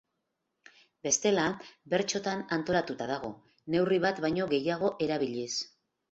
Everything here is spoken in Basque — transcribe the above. Bestela, bertsotan antolatuta dago, neurri bat baino gehiago erabiliz.